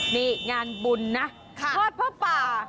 นี่งานบุญนะทอดผ้าป่า